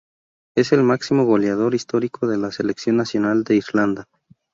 Es el máximo goleador histórico de la selección nacional de Irlanda.